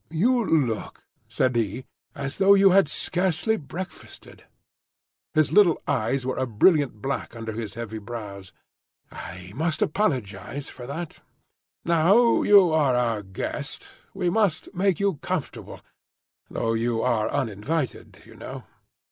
"You look," said he, "as though you had scarcely breakfasted." His little eyes were a brilliant black under his heavy brows. "I must apologise for that. Now you are our guest, we must make you comfortable,—though you are uninvited, you know."